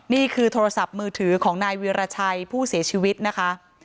โทรศัพท์มือถือของนายวิราชัยผู้เสียชีวิตนะคะ